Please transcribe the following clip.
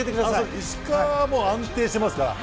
石川はもう安定してますから。